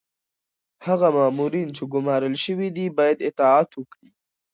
هغه مامورین چي ګمارل شوي دي باید اطاعت وکړي.